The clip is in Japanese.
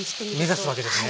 目指すわけですね。